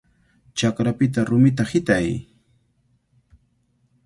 ¡Chakrapita rumita hitay!